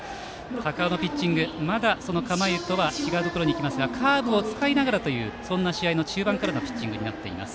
高尾のピッチングまだ構えとは違うところに行きますがカーブを使いながらという試合の中盤からのピッチングになっています。